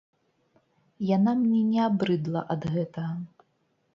Яна мне не абрыдла ад гэтага.